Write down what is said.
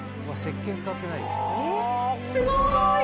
すごい！